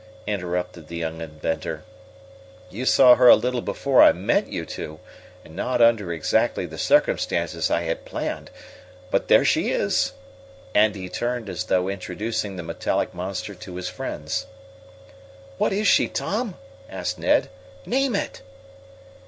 interrupted the young inventor. "You saw her a little before I meant you to, and not under exactly the circumstances I had planned. But there she is!" And he turned as though introducing the metallic monster to his friends. "What is she, Tom?" asked Ned. "Name it!"